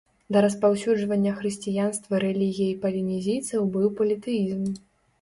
Да распаўсюджвання хрысціянства рэлігіяй палінезійцаў быў політэізм.